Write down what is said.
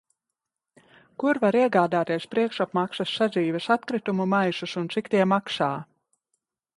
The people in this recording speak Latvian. Kur var iegādāties priekšapmaksas sadzīves atkritumu maisus un cik tie maksā?